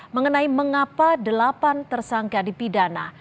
mengenai mengapa delapan tersangka di pidana